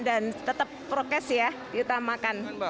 dan tetap prokes ya diutamakan